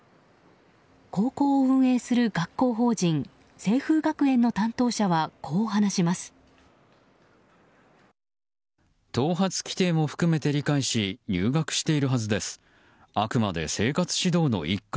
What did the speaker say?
高校を運営する学校法人清風学園担当者はこう話します。